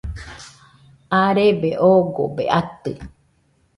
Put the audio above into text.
arebe oogobe atɨ